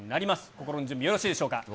心の準備よろしいでしょうか。